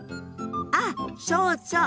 あっそうそう！